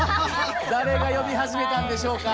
誰が呼び始めたんでしょうか。